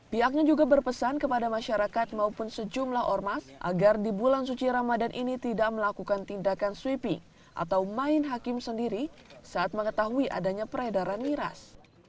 pihaknya juga berpesan kepada masyarakat maupun sejumlah ormas agar di bulan suci ramadan ini tidak melakukan tindakan sweeping atau main hakim sendiri saat mengetahui adanya peredaran miras